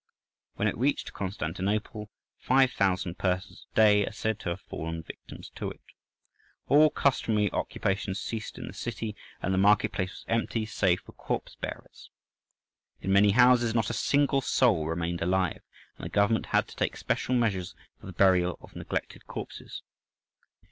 When it reached Constantinople, 5,000 persons a day are said to have fallen victims to it. All customary occupations ceased in the city, and the market place was empty save for corpse bearers. In many houses not a single soul remained alive, and the government had to take special measures for the burial of neglected corpses.